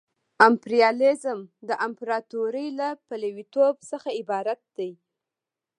امپریالیزم د امپراطورۍ له پلویتوب څخه عبارت دی